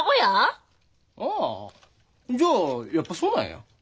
ああじゃあやっぱそうなんや。